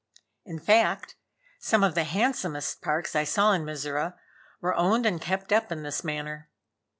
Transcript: In fact some of the handsomest parks I saw in Mizora were owned and kept up in this manner.